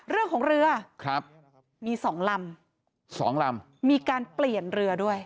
เรือครับมีสองลำสองลำมีการเปลี่ยนเรือด้วย